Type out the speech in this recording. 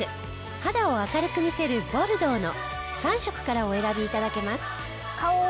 肌を明るく見せるボルドーの３色からお選び頂けます。